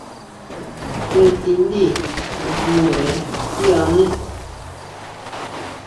Jé tindí najñure tíʼané.